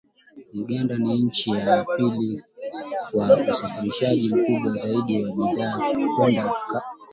Uganda ni nchi ya pili kwa usafirishaji mkubwa zaidi wa bidhaa kwenda Kongo